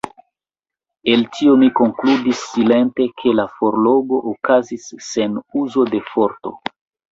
El tio mi konkludis silente, ke la forlogo okazis sen uzo de forto.